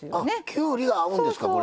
きゅうりが合うんですかこれ。